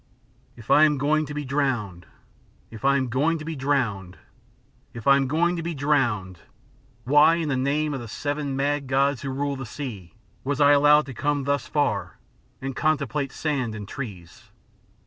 "If I am going to be drowned if I am going to be drowned if I am going to be drowned, why, in the name of the seven mad gods who rule the sea, was I allowed to come thus far and contemplate sand and trees?